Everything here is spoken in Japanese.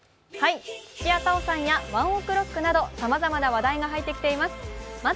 土屋太鳳さんやＯＮＥＯＫＲＯＣＫなどさまざまな話題が入ってきています。